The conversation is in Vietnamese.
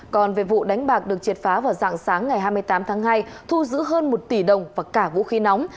còn về vụ đánh bạc được triệt phá vào dạng sáng ngày hai mươi tám tháng hai thu giữ hơn một tỷ đồng và cả vũ khí nóng